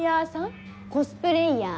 コスプレイヤー